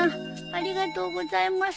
ありがとうございます。